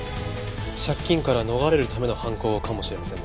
借金から逃れるための犯行かもしれませんね。